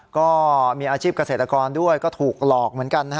ก็มีอาชีพเกษตรกรด้วยก็ถูกหลอกเหมือนกัน